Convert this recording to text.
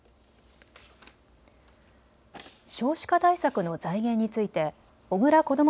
少子化対策の財源について小倉こども